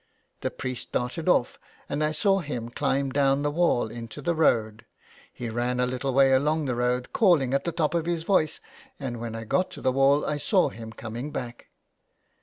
The priest darted off, and I saw him climb down the wall into the road ; he ran a little way along the road calling at the top of his voice, and when I got to the wall I saw him coming back.